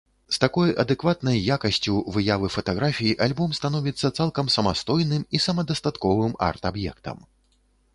З такой адэкватнай якасцю выявы фатаграфій альбом становіцца цалкам самастойным і самадастатковым арт-аб'ектам.